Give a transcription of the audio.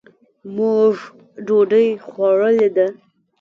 مونږ ډوډۍ خوړلې ده.